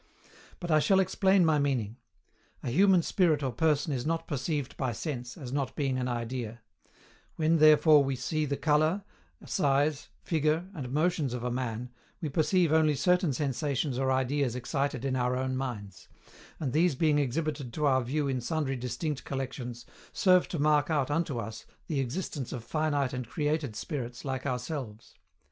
But I shall explain my meaning; A human spirit or person is not perceived by sense, as not being an idea; when therefore we see the colour, size, figure, and motions of a man, we perceive only certain sensations or ideas excited in our own minds; and these being exhibited to our view in sundry distinct collections, serve to mark out unto us the existence of finite and created spirits like ourselves.